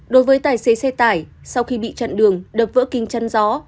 đối với tài xế xe tải sau khi bị chặn đường đập vỡ kính chăn gió